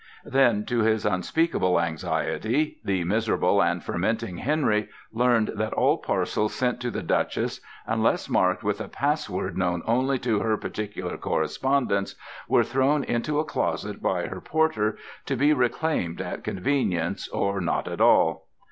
Then, to his unspeakable anxiety, the miserable and fermenting Henry learned that all parcels sent to the duchess, unless marked with a password known only to her particular correspondents, were thrown into a closet by her porter to be reclaimed at convenience, or not at all.